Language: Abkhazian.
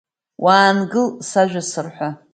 Уаангыл, сажәа сырҳәа!